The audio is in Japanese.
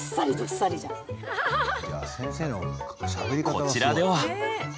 こちらでは。